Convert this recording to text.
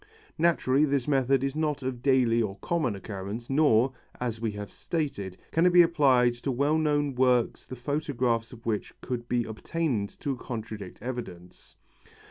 Naturally this method is not of daily or common occurrence, nor, as we have stated, can it be applied to well known works the photographs of which could be obtained to contradict evidence.